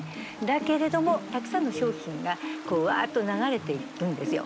だけれどもたくさんの商品がこうわっと流れていくんですよ